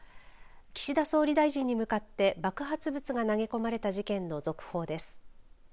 岸田総理大臣に向かって爆発物が投げ込まれた事件の続報です。